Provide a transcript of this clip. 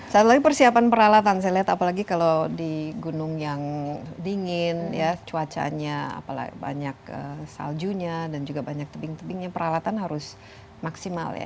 satu lagi persiapan peralatan saya lihat apalagi kalau di gunung yang dingin ya cuacanya apalagi banyak saljunya dan juga banyak tebing tebingnya peralatan harus maksimal ya